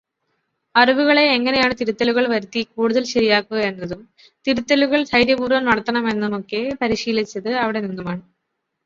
അറിവുകളെ എങ്ങനെയാണ് തിരുത്തലുകൾ വരുത്തി കൂടുതൽ ശരിയാക്കുക എന്നതും, തിരുത്തലുകൾ ധൈര്യപൂർവം നടത്തണമെന്നുമൊക്കെ പരിശീലിച്ചത് അവിടെ നിന്നുമാണ്.